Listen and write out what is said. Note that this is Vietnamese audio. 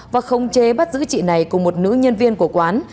và không chế bắt giữ chị này cùng một nữ nhân viên của quán